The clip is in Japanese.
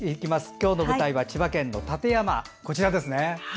今日の舞台は千葉県の館山ですね。